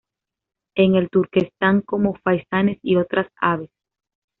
En el Turquestán come faisanes y otras aves.